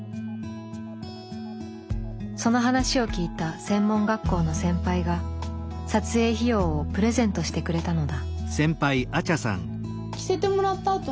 その話を聞いた専門学校の先輩が撮影費用をプレゼントしてくれたのだ。